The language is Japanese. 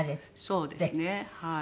そうですねはい。